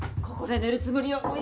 ここで寝るつもりよ。